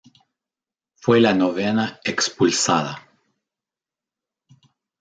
Fue la novena expulsada.